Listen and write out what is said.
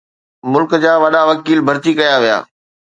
ملڪ جا وڏا وڪيل ڀرتي ڪيا ويا.